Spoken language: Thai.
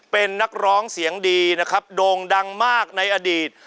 เป็นนักร้องเสียงดีนะครับโด่งดังมากในอดีต